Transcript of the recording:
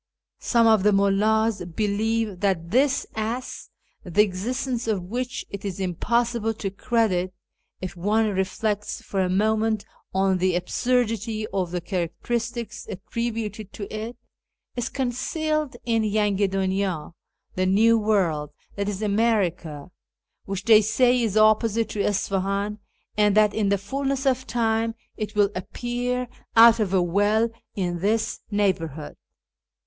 Some of the inullds believe that this ass, the existence of which it is impossible to credit, if one reflects for a moment on the absurdity of the characteristics attributed to it, is concealed in Yangi'dunyd (the New World, i.e. America), which they say is ' opposite ' to Isfahan, and that in the fulness of time it will appear out of a well in this neighbourhood.